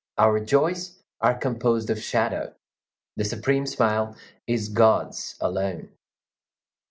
Our joys are composed of shadow. The supreme smile is God's alone.